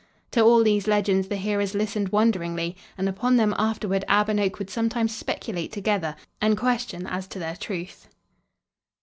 To all these legends the hearers listened wonderingly, and upon them afterward Ab and Oak would sometimes speculate together and question as to their truth.